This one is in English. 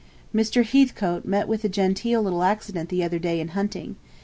Mr. Heathcote met with a genteel little accident the other day in hunting.